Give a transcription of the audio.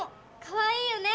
かわいいよね！